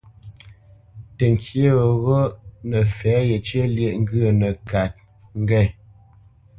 Təŋkyé weghó nə́ fɛ̌ yencyə̂ lyêʼ ŋgwə nə́kát ŋge.